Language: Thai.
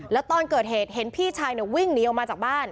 แล้วตอนเกิดเหตุเห็นพี่ชายวิ่งหนีออกมาจากบ้าน